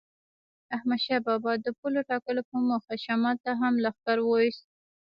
احمدشاه بابا د پولو ټاکلو په موخه شمال ته هم لښکر وایست.